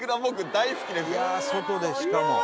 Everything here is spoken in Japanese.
僕大好きですよ。